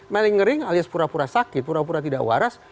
maling ngering alias pura pura sakit pura pura tidak waras